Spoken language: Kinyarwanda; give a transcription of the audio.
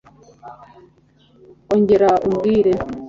ongera umbwire